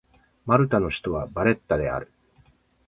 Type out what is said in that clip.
マルタの首都はバレッタである